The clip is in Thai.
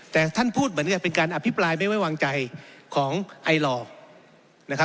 แต่ท่านพูดเหมือนกับเป็นการอภิปรายไม่ไว้วางใจของไอลอร์นะครับ